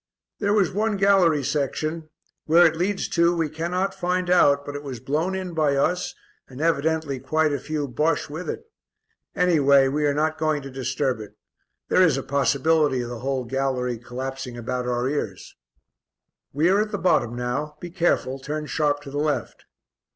"There was one gallery section; where it leads to we cannot find out, but it was blown in by us and evidently quite a few Bosches with it; anyway, we are not going to disturb it. There is a possibility of the whole gallery collapsing about our ears." "We are at the bottom now; be careful, turn sharp to the left."